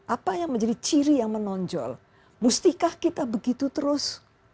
apa yang menjadi ciri yang menonjol mestikah kita begitu terus